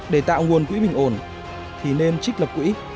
để tạo nguồn quỹ bình ổn thì nên trích lập quỹ